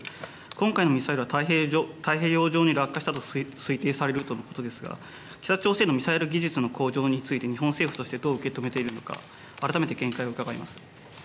今回のミサイルは太平洋上に落下したと推定されるとのことですが、北朝鮮のミサイル技術の向上について日本政府としてどう受け止めているのか、改めて見解を伺います。